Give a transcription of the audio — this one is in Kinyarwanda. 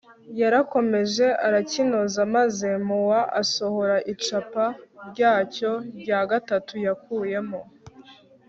yarakomeje arakinoza maze mu wa asohora icapa ryacyo rya gatatu yakuyemo